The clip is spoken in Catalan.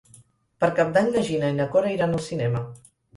Per Cap d'Any na Gina i na Cora iran al cinema.